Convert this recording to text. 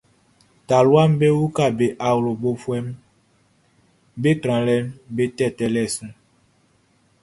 Taluaʼm be uka be awlobofuɛʼm be tralɛʼm be tɛtɛlɛʼn su.